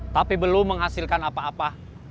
tapi belum menghasilkan apa apa